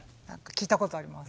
聞いたことあります。